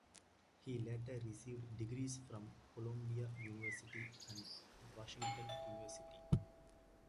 He later received degrees from Columbia University and Washington University.